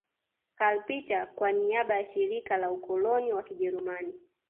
Karl Peters kwa niaba ya Shirika la Ukoloni wa Kijerumani